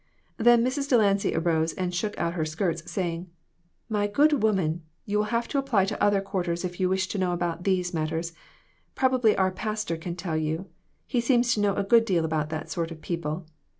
Then Mrs. Delancy arose and shook out her skirts, saying, "My good woman, you will have to apply to other quarters if you wish to know about these matters. Probably our pastor can tell you ; he seems to know a good deal about that sort of people.